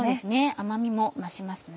甘みも増しますね。